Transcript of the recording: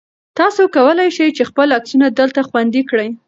تاسو کولای شئ چې خپل عکسونه دلته خوندي کړئ.